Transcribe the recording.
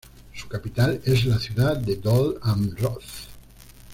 Su capital es la ciudad de Dol Amroth.